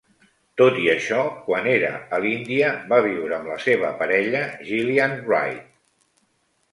Tot i això, quan era a l'Índia va viure amb la seva parella Gillian Wright.